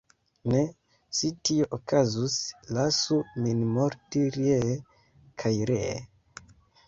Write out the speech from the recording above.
Ne, se tio okazus, lasu min morti ree kaj ree."".